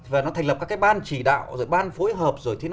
và nó thành lập các cái ban chỉ đạo